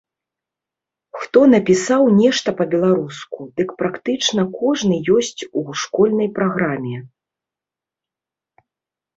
Хто напісаў нешта па-беларуску, дык практычна кожны ёсць у школьнай праграме.